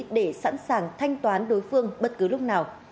để sẵn sàng thanh toán đối phương bất cứ lúc nào